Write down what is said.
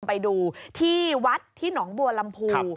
ไปดูที่วัดที่หนองบัวลำพู